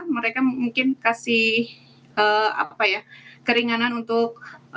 mereka mungkin kasih keringanan untuk